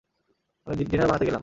আমি ডিনার বানাতে গেলাম।